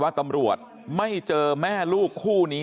แล้วตามหายาดของแม่ลูกคู่นี้